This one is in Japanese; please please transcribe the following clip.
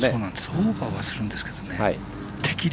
オーバーはするんですけど、適量。